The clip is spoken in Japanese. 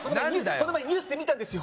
この前ニュースで見たんですよ